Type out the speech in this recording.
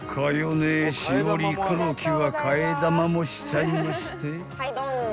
姉しおり黒木は替え玉もしちゃいまして］